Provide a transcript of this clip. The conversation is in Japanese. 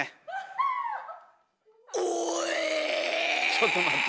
ちょっと待って。